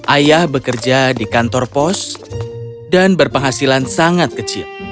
ayah bekerja di kantor pos dan berpenghasilan sangat kecil